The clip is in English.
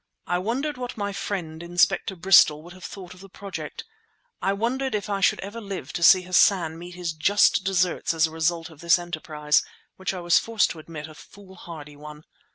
I wondered what my friend, Inspector Bristol, would have thought of the project; I wondered if I should ever live to see Hassan meet his just deserts as a result of this enterprise, which I was forced to admit a foolhardy one.